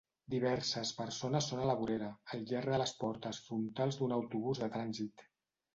diverses persones són a la vorera, al llarg de les portes frontals d'un autobús de trànsit